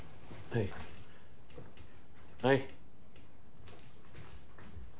はいはい。